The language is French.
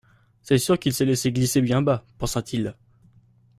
C'est sûr qu'il s'est laissé glisser bien bas, pensa-t-il.